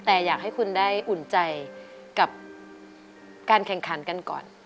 แต่อยากให้คุณได้อุ่นใจกับการแข่งขันกันก่อน